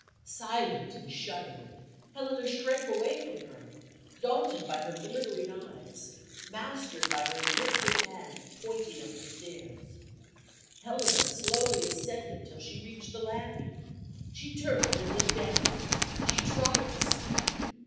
Silent and shuddering, Helena shrank away from her daunted by her glittering eyes; mastered by her lifted hand pointing up the stairs. Helena slowly ascended till she reached the landing. She turned and looked down; she tried to speak.